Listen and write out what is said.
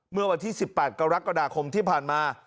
เมื่อวันที่๑๘กรกฎาคมที่ผ่านมา